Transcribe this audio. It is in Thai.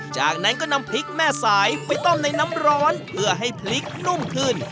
จากนั้นก็นำพริกแม่สายไปต้มในน้ำร้อนเพื่อให้พริกนุ่มขึ้น